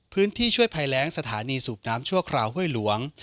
พื้นที่ช่วยไผล้แรงสถานีสูบน้ำชั่วคราวห้วยหลวง